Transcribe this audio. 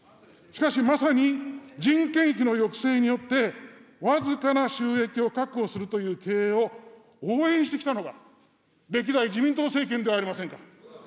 しかし、まさに人件費の抑制によって、僅かな収益を確保するという経営を応援してきたのが、歴代自民党政権ではありませんか。